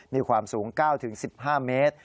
มีความสูง๙๑๕เมตร